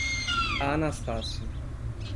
Anastácio